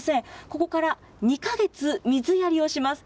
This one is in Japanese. ここから２か月水やりをします。